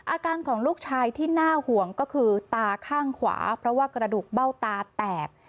อาการของลูกชายที่น่าห่วงก็คือตาข้างขวาเพราะว่ากระดูกเบ้าตาแตก